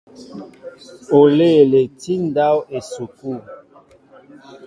Oléele tí ndáw esukul.